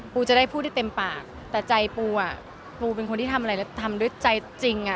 ปูจะได้พูดได้เต็มปากแต่ใจปูอ่ะปูเป็นคนที่ทำอะไรแล้วทำด้วยใจจริงอ่ะ